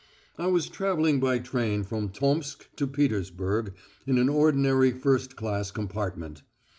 I was travelling by train from Tomsk to Petersburg in an ordinary first class compartment.